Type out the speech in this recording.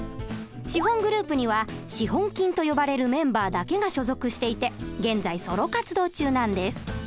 資本グループには資本金と呼ばれるメンバーだけが所属していて現在ソロ活動中なんです。